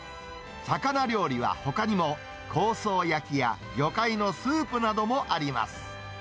魚料理はほかにも、香草焼きや魚介のスープなどもあります。